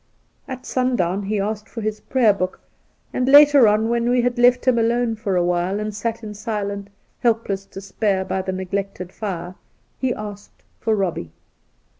At sundown he asked for his Prayer Book, and later on, when we had left him alone for a while, and sat in silent, helpless despair by the neglected fire, he asked for Eobbie.